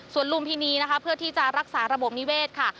ส่วนลุมพินีนะคะเพื่อที่จะรักษาระบบนิเวศค่ะ